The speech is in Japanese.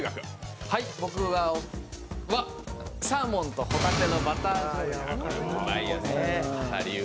僕はサーモンとホタテのバター醤油。